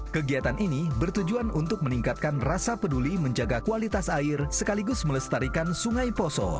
kegiatan ini bertujuan untuk meningkatkan rasa peduli menjaga kualitas air sekaligus melestarikan sungai poso